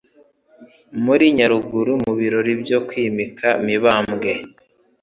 muri Nyaruguru, mu birori byo kwimika Mibambwe